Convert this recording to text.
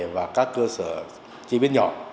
và các cơ sở chi biến nhỏ